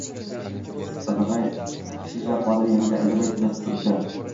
Qizigʻi, ichki ishlar xodimi yonida indamay kuzatib turibdi.